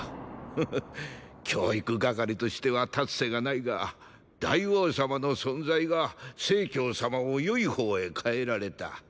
フフ教育係としては立つ瀬がないが大王様の存在が成様を良い方へ変えられた。